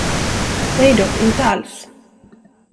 Nej då, inte alls.